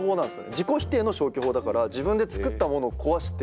自己否定の消去法だから自分で作ったものを壊してくっていう。